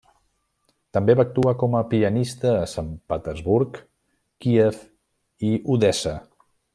També va actuar com a pianista a Sant Petersburg, Kíev i Odessa.